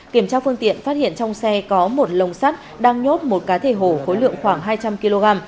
kiểm tra phương tiện phát hiện trong xe có một lồng sắt đang nhốt một cá thể hổ khối lượng khoảng hai trăm linh kg